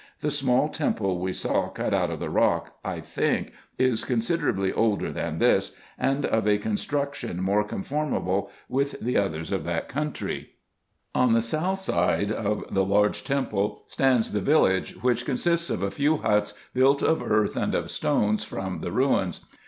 The small temple we saw cut out of the rock, I think, is considerably older than this, and of a construction more conform able with the others of that country. 70 RESEARCHES AND OPERATIONS On the south of the large temple stands the village, which con sists of a few huts built of earth and of stones from the ruins.